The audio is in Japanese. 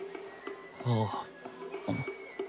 ああ。